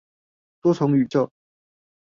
多重宇宙